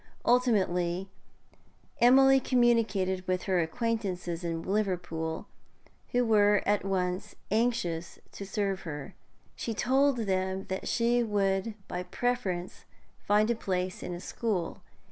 Ultimately, Emily communicated with her acquaintances in Liverpool, who were at once anxious to serve her. She told them that she would by preference find a place in a school.